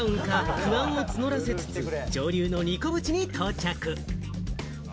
不安を募らせつつ上流の、にこ淵に到着。